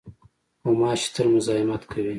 غوماشې تل مزاحمت کوي.